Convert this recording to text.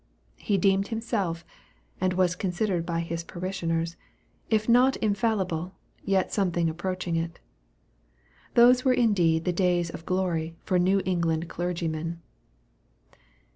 He deemed himself, and was considered by his parishioners, if not infallible, yet something approaching it. Those were indeed the days of glory for New England clergymen.